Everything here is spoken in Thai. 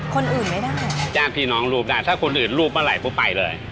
คนอื่นไม่ได้ญาติพี่น้องรูปได้ถ้าคนอื่นรูปเมื่อไหรปุ๊บไปเลย